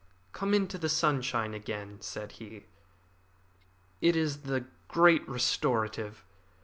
"Come into the sunshine again," said he. "It is the great restorative.